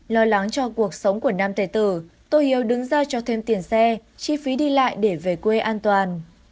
lo lắng cho cuộc sống của nam tề tử tôi hiếu đứng ra cho thêm tiền xe chi phí đi lại để về quê an toàn